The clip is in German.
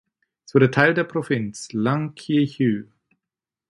Es wurde Teil der Provinz Llanquihue.